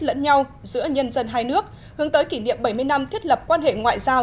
lẫn nhau giữa nhân dân hai nước hướng tới kỷ niệm bảy mươi năm thiết lập quan hệ ngoại giao